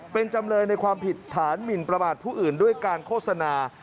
เป็นจำเลยในความผิดฐานหมินประมาทผู้อื่นด้วยการโฆษณา